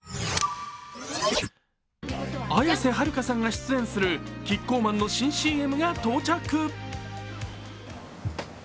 綾瀬はるかさんが出演するキッコーマンの新ＣＭが到着。